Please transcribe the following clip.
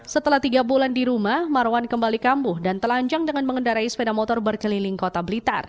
setelah tiga bulan di rumah marwan kembali kambuh dan telanjang dengan mengendarai sepeda motor berkeliling kota blitar